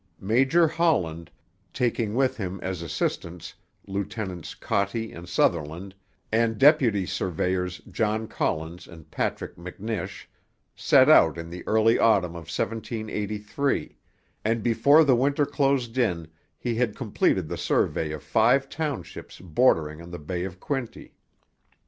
Major Holland, taking with him as assistants Lieutenants Kotte and Sutherland and deputy surveyors John Collins and Patrick McNish, set out in the early autumn of 1783, and before the winter closed in he had completed the survey of five townships bordering on the Bay of Quinte.